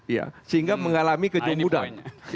ya sehingga mengalami kejemudan